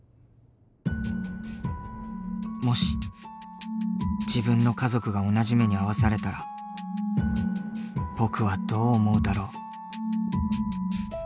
もし自分の家族が同じ目に遭わされたら僕はどう思うだろう？